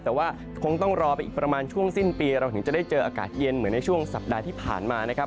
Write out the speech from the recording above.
แต่ว่าคงต้องรอไปอีกประมาณช่วงสิ้นปีเราถึงจะได้เจออากาศเย็นเหมือนในช่วงสัปดาห์ที่ผ่านมานะครับ